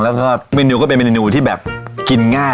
แล้วก็เมนูก็เป็นเมนูที่แบบกินง่าย